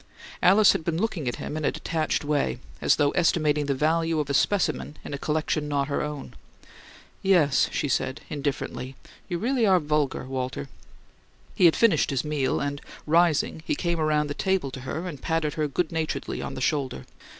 Alice had been looking at him in a detached way, as though estimating the value of a specimen in a collection not her own. "Yes," she said, indifferently. "You REALLY are vulgar, Walter." He had finished his meal; and, rising, he came round the table to her and patted her good naturedly on the shoulder.